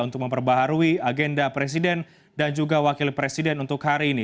untuk memperbaharui agenda presiden dan juga wakil presiden untuk hari ini